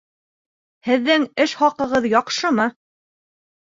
Һеҙҙең эш хаҡығыҙ яҡшымы?